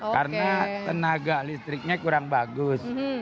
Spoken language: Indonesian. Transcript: karena tenaga listriknya kurang bagus